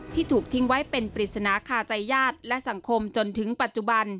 ถูกทิ้งไว้เป็นปริศนาคาใจญาติและสังคมจนถึงปัจจุบัน